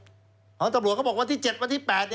ของตำรวจเขาบอกวันที่๗วันที่๘